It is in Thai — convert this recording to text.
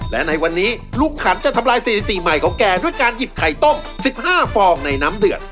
และในวันนี้ลุงขันจะทำลายสถิติใหม่ของแกด้วยการหยิบไข่ต้ม๑๕ฟองในน้ำเดือด